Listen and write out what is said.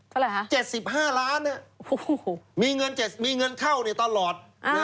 เท่าไรฮะ๗๕ล้านเนี่ยมีเงินเข้าตลอด